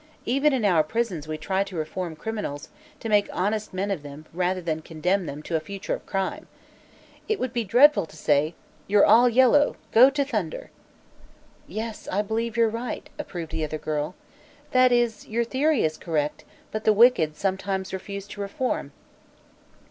Even in our prisons we try to reform criminals, to make honest men of them rather than condemn them to a future of crime. It would be dreadful to say: 'You're all yellow; go to thunder!'" "Yes; I believe you're right," approved the other girl. "That is, your theory is correct, but the wicked sometimes refuse to reform."